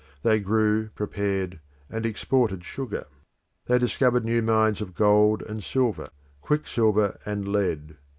They grew, prepared, and exported sugar. They discovered new mines of gold and silver, quicksilver and lead.